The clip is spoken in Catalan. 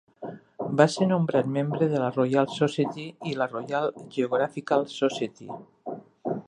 Va ser nombrat membre de la Royal Society i la Royal Geographical Society.